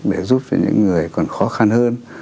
để giúp cho những người còn khó khăn hơn